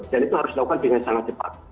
dan itu harus dilakukan dengan sangat cepat